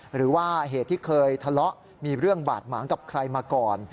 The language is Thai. หรือว่าเหตุที่เคยทะเลาะมีเรื่องบาดหมางกับใครมาก่อน